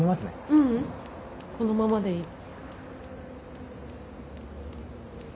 ううんこのままでいい。